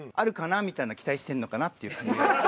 みたいな期待してるのかな？っていう感じが。